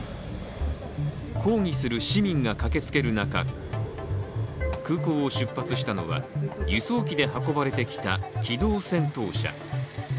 抗議する市民が駆けつける中空港を出発したのは輸送機で運ばれてきた機動戦闘車。